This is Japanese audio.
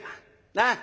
なあ。